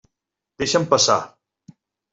Deixa'm passar.